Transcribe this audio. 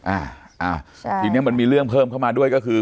อ่าอ่าทีนี้มันมีเรื่องเพิ่มเข้ามาด้วยก็คือ